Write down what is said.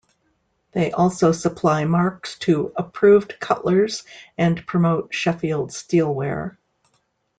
They also supply marks to approved cutlers and promote Sheffield steelware.